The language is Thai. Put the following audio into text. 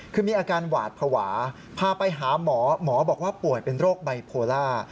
คือมีอาการหวาดภาวะพาไปหาหมอหมอบอกว่าป่วยเป็นโรคไบโพล่า